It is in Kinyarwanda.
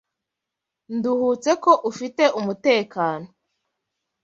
Nduhutse ko ufite umutekano.